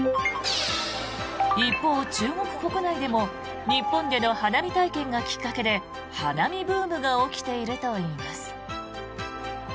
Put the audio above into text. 一方、中国国内でも日本での花見体験がきっかけで花見ブームが起きているといいます。